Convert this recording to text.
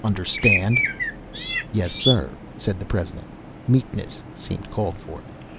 Understand?" "Yes, sir," said the president. Meekness seemed called for.